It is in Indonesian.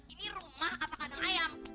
ini rumah apa kandang ayam